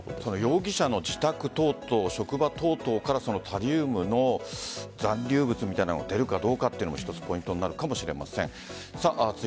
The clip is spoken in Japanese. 容疑者の自宅等々職場等々からタリウムの残留物みたいなものが出るかどうかも、一つポイントになるかもしれません。